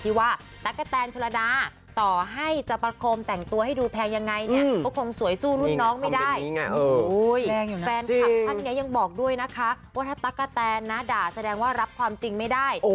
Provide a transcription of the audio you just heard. แฟนคลับท่านเนี้ยยังบอกด้วยนะคะว่าถ้าตั๊กกะแตนด่าแสดงว่ารับความจริงไม่ได้